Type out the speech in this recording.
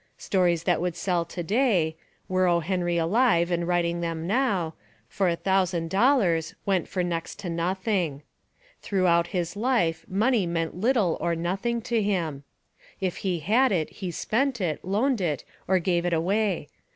Stories that would sell to day, — were O. Henry alive and writing them now, — for a thousand dollars, went for next to nothing. Throughout his life money meant little or nothing to him. 244 The Amazing Genius of O. Henry If he had it, he spent It, loaned It or gave It away.